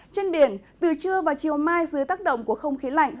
trên biển từ trưa và chiều mai dưới tác động của không khí lạnh